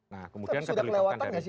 nah kemudian saya terlibatkan dari